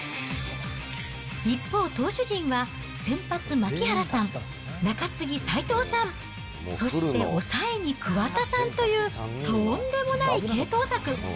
一方、投手陣は先発、槙原さん、中継ぎ、斎藤さん、そして抑えに桑田さんというとんでもない継投策。